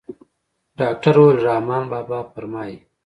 ډاکتر وويل رحمان بابا فرمايي.